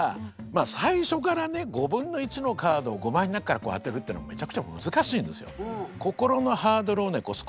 最初からね５分の１のカードを５枚の中から当てるっていうのはめちゃくちゃ難しいんですよ。